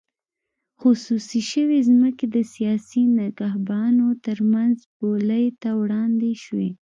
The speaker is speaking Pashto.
خصوصي شوې ځمکې د سیاسي نخبګانو ترمنځ بولۍ ته وړاندې شوې.